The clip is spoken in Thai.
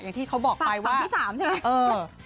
อย่างที่เขาบอกไปวันที่๓ใช่ไหม